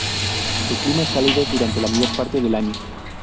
Su clima es cálido durante la mayor parte del año.